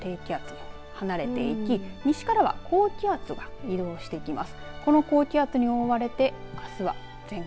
ただ、あすになるとこの低気圧も離れていき西からは高気圧が移動してきます。